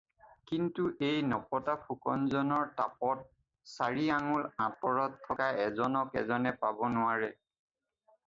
কিন্তু এই নপতা ফুকন জনৰ তাপত চাৰি আংগুল আঁতৰত থকা এজনক এজনে পাব নোৱাৰে।